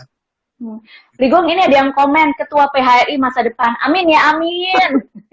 hmm agung ini ada yang komen ketua phri masa depan amin ya amin